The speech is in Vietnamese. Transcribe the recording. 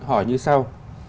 hỏi như sau